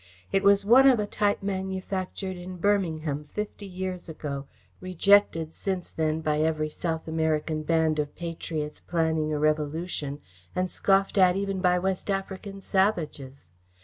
It was one of a type manufactured in Birmingham fifty years ago, rejected since then by every South American band of patriots planning a revolution, and scoffed at even by West African savages.